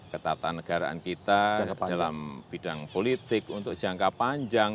ketataan negaraan kita dalam bidang politik untuk jangka panjang